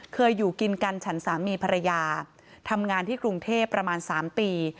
อยู่กินกันฉันสามีภรรยาทำงานที่กรุงเทพประมาณ๓ปี